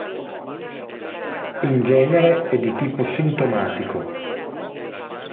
In genere è di tipo sintomatico.